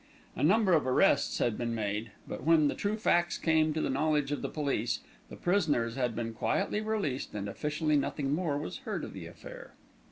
A number of arrests had been made; but when the true facts came to the knowledge of the police, the prisoners had been quietly released, and officially nothing more was heard of the affair.